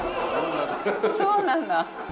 そうなんだ。